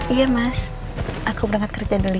iya mas aku berangkat kerja dulu ya